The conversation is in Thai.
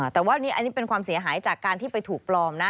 แต่ว่านี่อันนี้เป็นความเสียหายจากการที่ไปถูกปลอมนะ